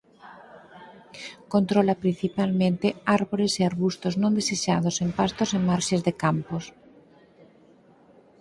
Controla principalmente árbores e arbustos non desexados en pastos e marxes de campos.